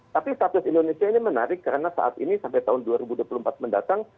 tapi status indonesia ini menarik karena saat ini sampai tahun dua ribu dua puluh empat mendatang